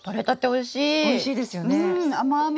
おいしいですよね。